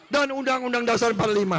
dan undang undang dasar empat puluh lima